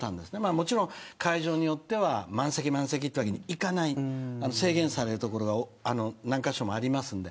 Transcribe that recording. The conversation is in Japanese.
もちろん会場によっては満席、満席って訳にはいかない制限される所は何カ所もありますんで。